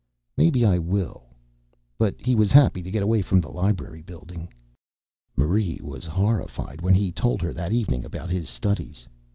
"Maybe I will." But he was happy to get away from the library building. Marie was horrified when he told her that evening about his studies.